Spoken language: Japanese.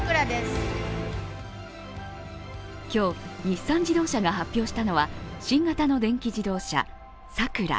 今日、日産自動車が発表したのは新型の電気自動車、サクラ。